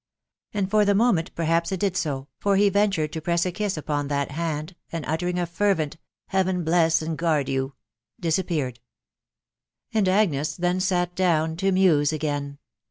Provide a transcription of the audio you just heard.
And for the moment perhaps it did so, for he ventured to press a kiss upon that hand, and uttering a fervent " Heaven bless and guard you !" disappeared. And Agnes then sat down to muse again.